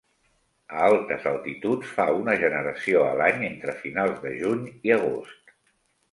A altes altituds fa una generació a l'any entre finals de juny i agost.